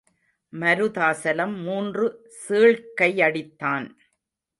மருதாசலம் மூன்று சீழ்க்கையடித்தான்.